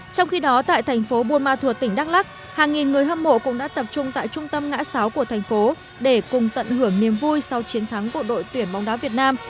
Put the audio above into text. trong khi đó tại thành phố buôn ma thuột tỉnh đắk lắc hàng nghìn người hâm mộ cũng đã tập trung tại trung tâm ngã sáu của thành phố để cùng tận hưởng niềm vui sau chiến thắng của đội tuyển bóng đá việt nam